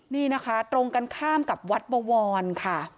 นี่นะคะตรงกันข้ามกับวัดบวรค่ะ